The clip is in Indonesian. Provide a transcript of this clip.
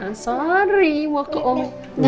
nah sorry mau ke omanya